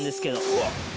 うわっ！